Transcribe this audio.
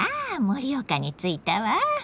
盛岡に着いたわ。